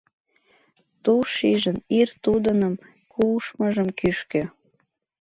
Ту шижын ир тудыным кушмыжым кӱшкӧ